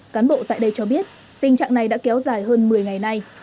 cán bộ tại đây cho biết tình trạng này đã kéo dài hơn một mươi ngày nay